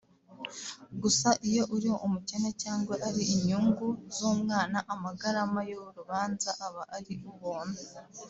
Gusa iyo uri umukene cyangwa ari inyungu z’umwana amagarama y’urubanza aba ari ubuntu